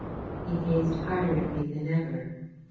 He gazed harder at me than ever.